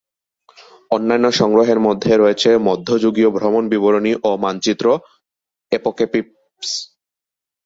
অন্যান্য সংগ্রহের মধ্যে রয়েছে মধ্যযুগীয় ভ্রমণ বিবরণী ও মানচিত্র, অ্যাপোক্যাপিপস।